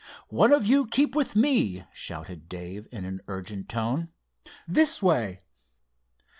"One of you keep with me," shouted Dave, in an urgent tone. "This way!"